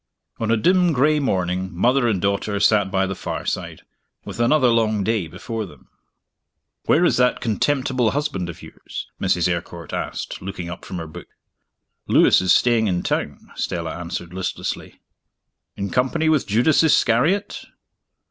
On a dim gray morning, mother and daughter sat by the fireside, with another long day before them. "Where is that contemptible husband of yours?" Mrs. Eyrecourt asked, looking up from her book. "Lewis is staying in town," Stella answered listlessly. "In company with Judas Iscariot?"